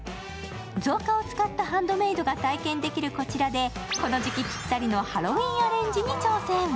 造花を使ったハンドメイドが体験できるこちらでこの時期ぴったりのハロウィーンアレンジに挑戦。